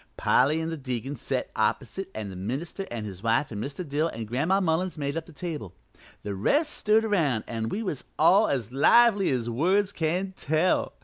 Polly an' the deacon set opposite and the minister an' his wife an' Mr. Dill an' Gran'ma Mullins made up the table. The rest stood around, and we was all as lively as words can tell.